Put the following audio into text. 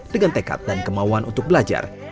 dengan tekad dan kemauan untuk belajar